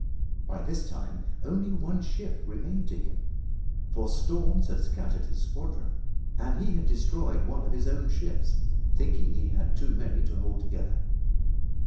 By this time only one ship remained to him, for storms had scattered his squadron and he had destroyed one of his own ships, thinking he had too many to hold together.